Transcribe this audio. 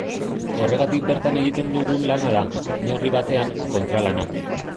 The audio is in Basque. Horregatik bertan egiten dugun lana da, neurri batean, kontralana.